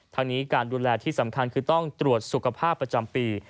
ทั้งนี้การดูแลที่สำคัญคือต้องตรวจสุขภาพประจำปี